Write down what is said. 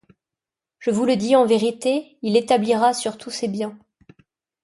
Je vous le dis en vérité, il l'établira sur tous ses biens.